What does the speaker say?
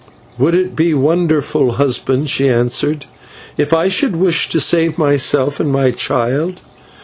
"Would it be wonderful, husband," she answered, "if I should wish to save myself and my child?